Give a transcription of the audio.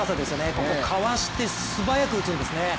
ここ、かわして素早く打つんですね